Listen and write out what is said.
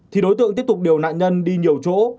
thì đối tượng tiếp tục điều nạn nhân đi nhiều chỗ